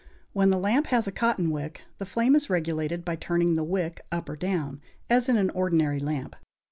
When the lamp has a cotton wick, the flame is regulated by turning the wick up or down, as in an ordinary lamp.